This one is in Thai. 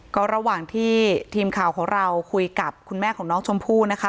ก็ระหว่างที่ทีมข่าวของเราคุยกับคุณแม่ของน้องชมพู่นะคะ